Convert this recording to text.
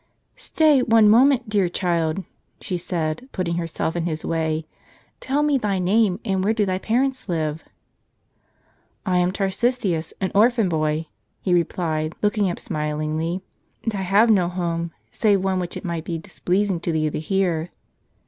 " Stay, one moment, dear child," she said, putting herself in his way: " tell me thy name, and where do thy parents live? "" I am Tarcisius, an orphan boy," he replied, looking up, smilingly ;" and I have no home, save one which it might be displeasing to thee to hear."